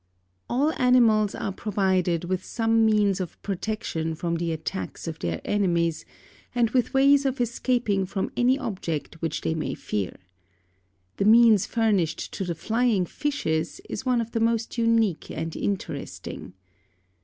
All animals are provided with some means of protection from the attacks of their enemies and with ways of escaping from any object which they may fear. The means furnished to the Flying Fishes is one of the most unique and interesting.